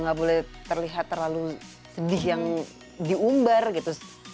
nggak boleh terlihat terlalu sedih yang diumbar gitu